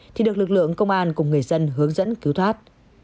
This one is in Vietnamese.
thì được lực lượng công an cùng người dân hướng dẫn cứu thoát